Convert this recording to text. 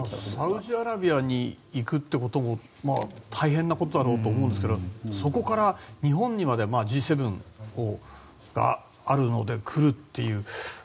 サウジアラビアに行くということも大変なことだろうと思うんですがそこから日本にまでＧ７があるので来るっていう。